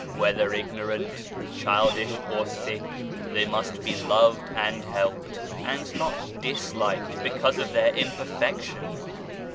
Whether ignorant, childish or sick, they must be loved and helped, and not disliked because of their imperfection.